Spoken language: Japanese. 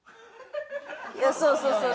いやそうそうそう。